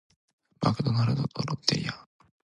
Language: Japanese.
マクドナルドとロッテリア